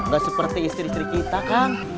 gak seperti istri istri kita kan